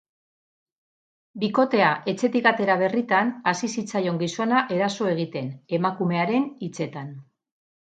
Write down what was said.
Bikotea etxetik atera berritan hasi zitzaion gizona eraso egiten, emakumearen hitzetan.